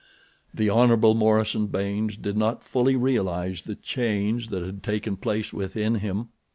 The Hon. Morison Baynes did not fully realize the change that had taken place within him.